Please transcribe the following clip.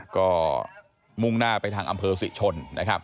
ก็มุ่งหน้าไปทางอำเภอสิเชน